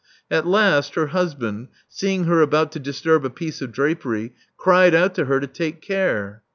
At last her husband, seeing her about to disturb a piece of drapery, cried out to her to take care.